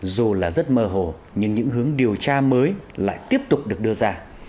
dù là rất mơ hồ nhưng những hướng điều tra mới lại tiếp tục được đưa ra